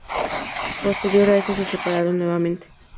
Posterior a eso se separaron nuevamente.